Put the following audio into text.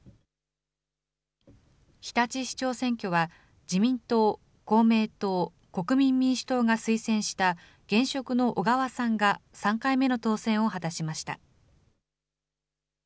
日立市長選挙は自民党、公明党、国民民主党が推薦した現職の小川さんが３回目の当選を果たしました。